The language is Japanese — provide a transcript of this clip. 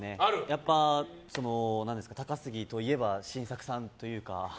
やっぱり高杉といえば晋作さんというか。